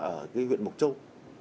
ở huyện mộc châu